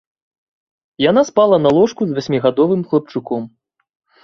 Яна спала на ложку з васьмігадовым хлапчуком.